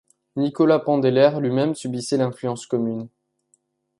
Nicolas Palander lui-même subissait l’influence commune.